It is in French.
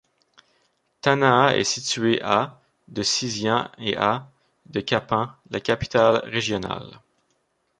Tanahat est située à de Sisian et à de Kapan, la capitale régionale.